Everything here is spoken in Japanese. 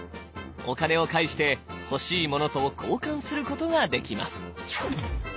お金を介して欲しいものと交換することができます。